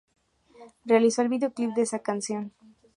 Realizó el videoclip de esa canción.